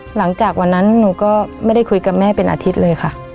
หลังจากวันนั้นหนูก็ไม่ได้คุยกับแม่เป็นอาทิตย์เลยค่ะ